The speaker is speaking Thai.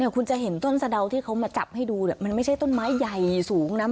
คุณจะเห็นต้นสะดาวที่เขามาจับให้ดูมันไม่ใช่ต้นไม้ใหญ่สูงนะ